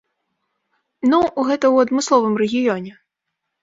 Ну, гэта ў адмысловым рэгіёне.